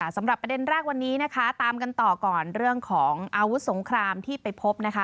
สำหรับประเด็นแรกวันนี้นะคะตามกันต่อก่อนเรื่องของอาวุธสงครามที่ไปพบนะคะ